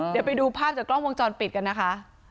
เดี๋ยวไปดูภาพจากกล้องวงจรปิดกันนะคะ